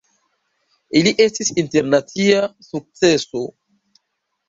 Ili estis internacia sukceso.